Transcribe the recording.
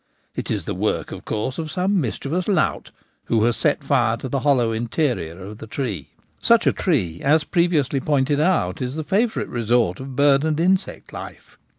It is the work, of course, of some mischievous lout who has set fire to the hollow interior of the tree. Such a tree, as previously pointed out, is the favourite resort of bird and insect life.